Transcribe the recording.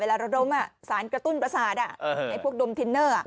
ระดมสารกระตุ้นประสาทไอ้พวกดมทินเนอร์